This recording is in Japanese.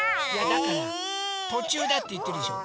だからとちゅうだっていってるでしょ。